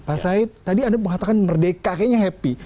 pak said tadi anda mengatakan merdeka kayaknya happy